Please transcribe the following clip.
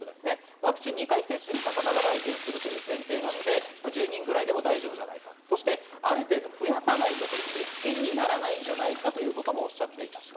ワクチン２回接種した人が来店するというのが前提で１０人くらいまで大丈夫じゃないかということで、ある程度増やさないと実験にはならないのではないかとおっしゃっられていました。